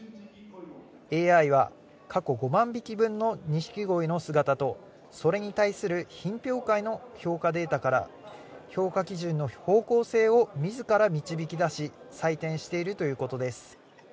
ＡＩは、過去５万匹分のニシキゴイの姿と、それに対する品評会の評価データから、評価基準の方向性をみずから導き出し、採点しているということです。